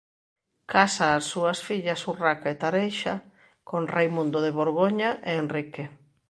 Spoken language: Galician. Casa ás súas fillas Urraca e Tareixa con Raimundo de Borgoña e Henrique.